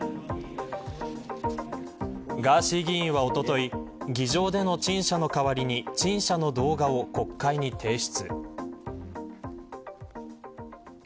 ガーシー議員はおととい議場での陳謝の代わりに陳謝の動画を国会に提出。